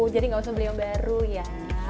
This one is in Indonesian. jadi gak usah beli yang baru ya